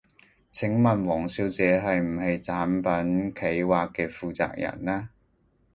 請問王小姐係唔係產品企劃嘅負責人呢？